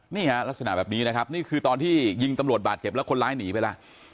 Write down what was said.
นี่ฮะลักษณะแบบนี้นะครับนี่คือตอนที่ยิงตำรวจบาดเจ็บแล้วคนร้ายหนีไปแล้ว